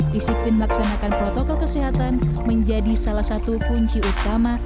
disiplin melaksanakan protokol kesehatan menjadi salah satu kunci utama